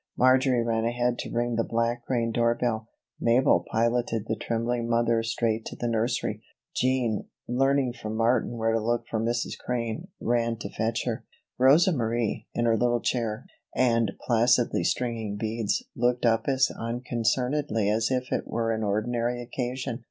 Marjory ran ahead to ring the Black Crane door bell. Mabel piloted the trembling mother straight to the nursery. Jean, learning from Martin where to look for Mrs. Crane, ran to fetch her. Rosa Marie, in her little chair and placidly stringing beads, looked up as unconcernedly as if it were an ordinary occasion.